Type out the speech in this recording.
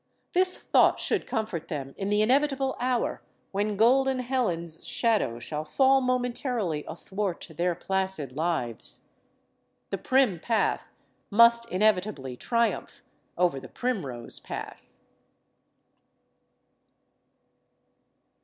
This thought 88 STORIES OF THE SUPER WOMEN should comfort them in the inevitable hour when golden Helen's shadow shall fall momentarily athwart their placid lives. The prim path must inevitably triumph over the primrose path.